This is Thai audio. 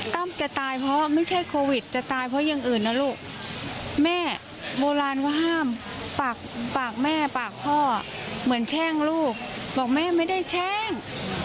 จะตายเพราะไม่ใช่โควิดจะตายเพราะอย่างอื่นนะลูกแม่โบราณว่าห้ามปากแม่ปากพ่อเหมือนแช่งลูกบอกแม่ไม่ได้แช่ง